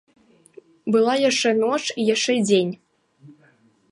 Была яшчэ ноч і яшчэ дзень.